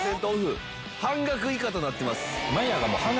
半額以下となってます。